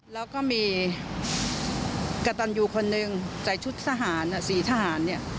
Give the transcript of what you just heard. แล้วก็มีกะตันยูคนหนึ่งใจชุดสหารสี่สหาร